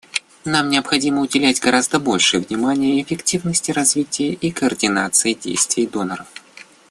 Нам необходимо уделять гораздо больше внимания эффективности развития и координации действий доноров.